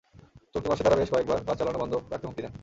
চলতি মাসে তাঁরা বেশ কয়েক বার বাস চালানো বন্ধ রাখতে হুমকি দেন।